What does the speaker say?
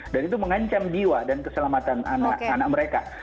dan itu mengancam jiwa dan keselamatan anak anak mereka